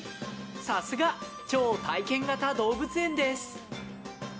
さすが、超体験型動物園です。